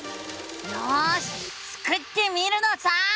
よしスクってみるのさ！